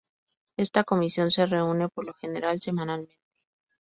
Esta comisión se reúne, por lo general, semanalmente.